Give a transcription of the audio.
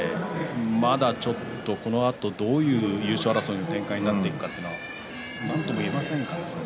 まだちょっとこのあと、どういう優勝争いの展開になるかなんとも言えませんか？